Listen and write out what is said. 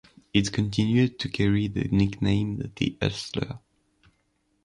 It continued to carry the nickname "The Ulster".